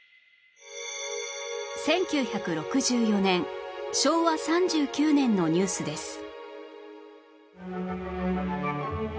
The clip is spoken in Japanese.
１９６４年昭和３９年のニュースです